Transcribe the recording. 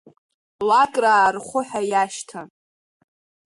Лакраа рхәы ҳәа иашьҭан.